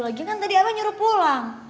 lagi kan tadi apa nyuruh pulang